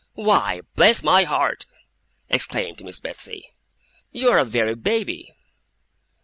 'Why, bless my heart!' exclaimed Miss Betsey. 'You are a very Baby!